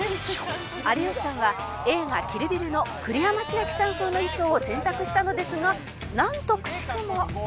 「有吉さんは映画『キル・ビル』の栗山千明さん風の衣装を選択したのですがなんとくしくも」